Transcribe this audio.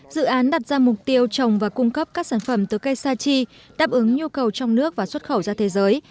dự án đặt ra mục tiêu trồng và cung cấp các sản phẩm từ cây sa chi đáp ứng nhu cầu trong nước và xuất khẩu ra thế giới